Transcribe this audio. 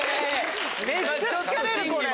めっちゃ疲れるこれ。